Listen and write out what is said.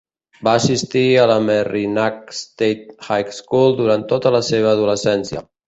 Va assistir a la Merrimac State High School durant tota la seva adolescència.